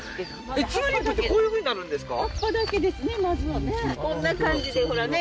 チューリップってこういうふうになるんですか？